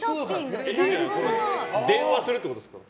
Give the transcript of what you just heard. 電話するってことですか？